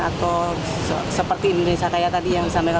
atau seperti indonesia kaya tadi yang disampaikan